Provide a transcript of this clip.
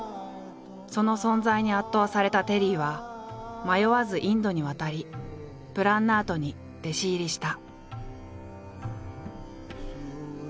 その存在に圧倒されたテリーは迷わずインドに渡りプラン・ナートに弟子入りした。